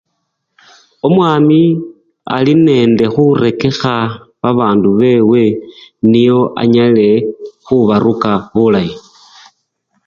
Omwami alinende khurekekha babandu bewe nio-anyale khubaruka bulayi.